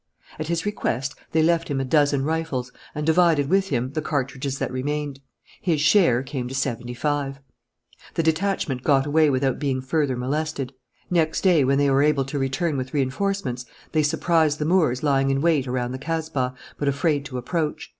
At his request, they left him a dozen rifles, and divided with him the cartridges that remained. His share came to seventy five. The detachment got away without being further molested. Next day, when they were able to return with reinforcements, they surprised the Moors lying in wait around the kasbah, but afraid to approach.